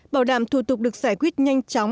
bảo đảm thủ tục được giải quyết nhanh chóng